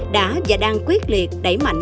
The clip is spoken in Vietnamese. đã và đang quyết liệt đẩy mạnh